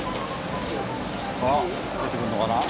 あっ出てくるのかな？